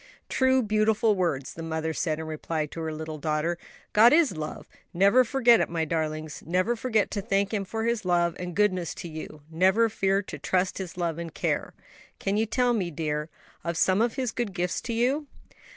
"True, beautiful words," the mother said, in reply to her little daughter; "'God is love!' Never forget it, my darlings; never forget to thank Him for His love and goodness to you; never fear to trust His love and care. Can you tell me, dear, of some of His good gifts to you?"